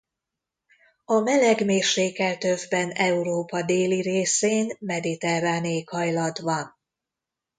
A meleg mérsékelt övben Európa déli részén mediterrán éghajlat van.